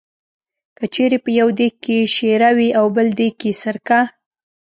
که چېرې په یو دېګ کې شېره وي او بل دېګ کې سرکه.